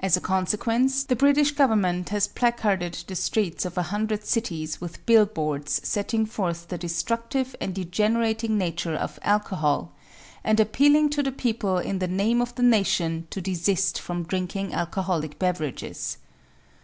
As a consequence, the British Government has placarded the streets of a hundred cities with billboards setting forth the destructive and degenerating nature of alcohol and appealing to the people in the name of the nation to desist from drinking alcoholic beverages.